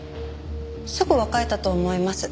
すぐ別れたと思います。